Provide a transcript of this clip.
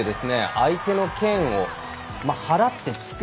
相手の剣を払って突く